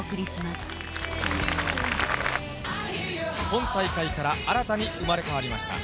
今大会から新たに生まれ変わりました。